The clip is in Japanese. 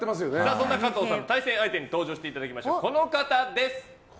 そんな加藤さん、対戦相手に登場していただきましょう。